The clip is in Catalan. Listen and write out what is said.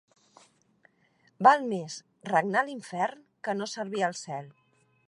Val més regnar a l'infern que no servir al cel.